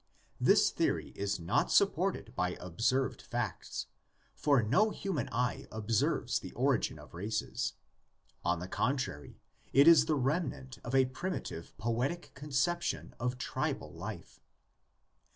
This theory is not supported by observed facts, for no human eye observes the origin of races; on the contrary, it is the remnant of a primitive poetic conception of tribal life.